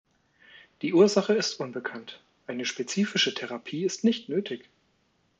Die Ursache ist unbekannt; eine spezifische Therapie ist nicht nötig.